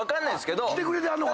来てくれてはんのか。